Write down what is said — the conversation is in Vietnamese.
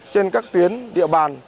trên các tuyến địa bàn